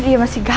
saya mau pergi